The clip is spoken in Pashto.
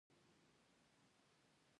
دوی ډیر دوستان لري.